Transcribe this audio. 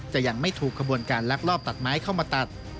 จะยังไม่ถูกขบวนการลักลอบตัดไม้เข้ามาตัด